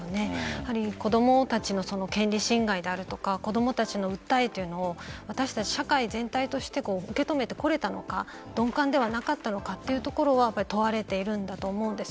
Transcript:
やはり子どもたちの権利侵害であるとか子どもたちの訴えというのを私たち社会全体として受け止めてこれたのか鈍感ではなかったのかというところは問われているのだと思うんです。